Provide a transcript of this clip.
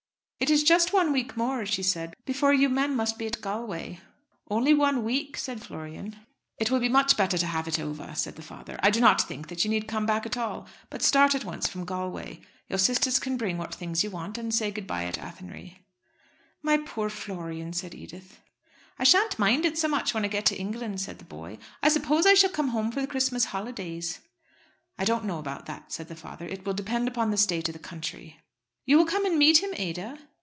"It is just one week more," she said, "before you men must be at Galway." "Only one week," said Florian. "It will be much better to have it over," said the father. "I do not think you need come back at all, but start at once from Galway. Your sisters can bring what things you want, and say good bye at Athenry." "My poor Florian," said Edith. "I shan't mind it so much when I get to England," said the boy. "I suppose I shall come home for the Christmas holidays." "I don't know about that," said the father. "It will depend upon the state of the country." "You will come and meet him, Ada?"